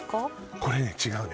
これね違うのよ